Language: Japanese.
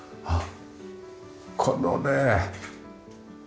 あっこのねえ。